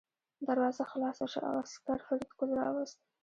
دروازه خلاصه شوه او عسکر فریدګل راوست